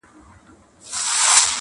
انسان نه یوازي خپل د ویلو مسؤل دی,